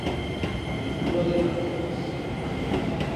Pro de fatuezas!